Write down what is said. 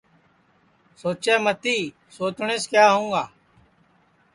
سوچے متی سوچٹؔیس کیا ہؤںگا